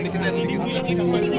sini dikit aja bu